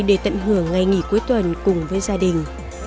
để tận hưởng ngày nghỉ cuối tuần cùng với gia đình